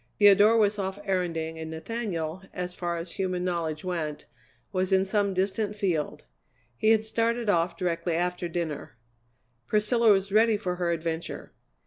Theodora was off erranding, and Nathaniel, as far as human knowledge went, was in some distant field; he had started off directly after dinner. Priscilla was ready for her adventure.